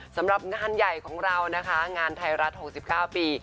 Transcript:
สำหรับงานใหญ่ของเรานะคะงานไทยรัฐ๖๙ปี